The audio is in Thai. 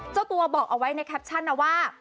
เจ้าตัวบอกเอาไว้ในแคปชั่นนะว่า